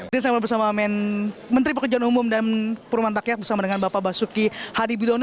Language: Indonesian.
kita bersama sama menteri pekerjaan umum dan purwantak yak bersama dengan bapak basuki hadibidono